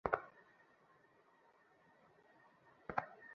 আমাকে মনে করাইয়া দাও নাই কেন?